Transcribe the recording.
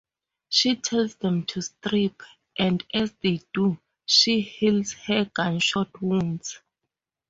She tells them to strip, and as they do, she heals her gunshot wounds.